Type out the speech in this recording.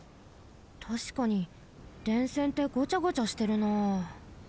たしかに電線ってごちゃごちゃしてるなあ。